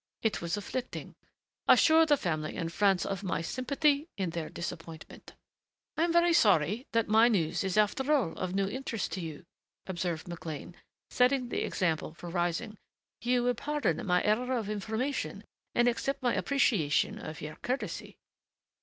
It was afflicting.... Assure the family in France of my sympathy in their disappointment." "I am sorry that my news is after all of no interest to you," observed McLean, setting the example for rising. "You will pardon my error of information and accept my appreciation of your courtesy."